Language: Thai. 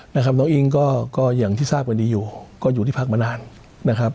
น้องอิงก็ก็อย่างที่ทราบกันดีอยู่ก็อยู่ที่พักมานานนะครับ